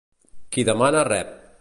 Qui demana rep.